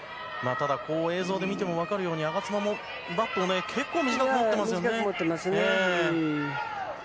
ただ映像で見ても分かるように我妻もバットを結構短く持ってますよね。